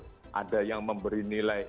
bagaimana dengan hal kalinya